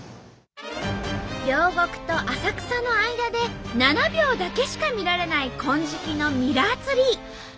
両国と浅草の間で７秒だけしか見られない金色のミラーツリー。